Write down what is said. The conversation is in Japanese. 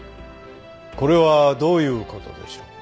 これはどういう事でしょう？